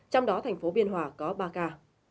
trong đó thành phố biên hòa có ba ca